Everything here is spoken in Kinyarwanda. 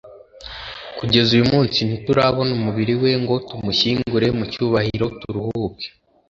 kugeza uyu munsi ntiturabona umubiri we ngo tumushyingure mu cyubahiro turuhuke